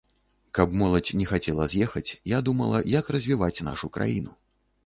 Каб моладзь не хацела з'ехаць, а думала, як развіваць нашу краіну.